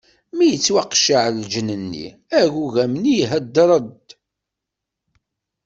Mi yettwaqecceɛ lǧenn-nni, agugam-nni ihdeṛ-d.